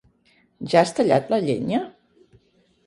Ja has tallat la llenya?